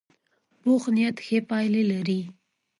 پوخ نیت ښې پایلې لري